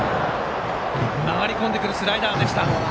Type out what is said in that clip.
回り込んでくるスライダーでした。